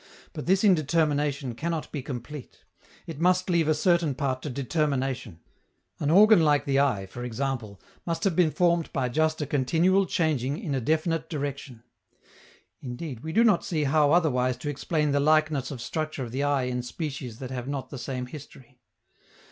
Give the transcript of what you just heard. But this indetermination cannot be complete; it must leave a certain part to determination. An organ like the eye, for example, must have been formed by just a continual changing in a definite direction. Indeed, we do not see how otherwise to explain the likeness of structure of the eye in species that have not the same history.